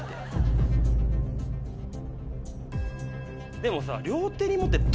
でもさ。